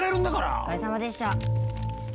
お疲れさまでした。